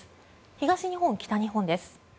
東日本、北日本です。